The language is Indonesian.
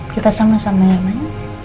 kita sama sama yang lain